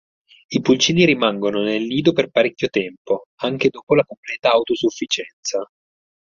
I pulcini rimangono nel nido per parecchio tempo, anche dopo la completa autosufficienza.